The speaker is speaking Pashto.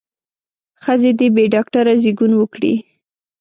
ښځې دې بې ډاکتره زېږون وکړي.